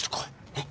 えっ？